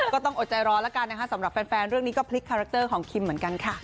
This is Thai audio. ก็ต้องอดใจรอแล้วกันนะคะสำหรับแฟนเรื่องนี้ก็พลิกคาแรคเตอร์ของคิมเหมือนกันค่ะ